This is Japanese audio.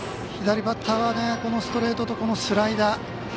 左バッターはこのストレートとスライダー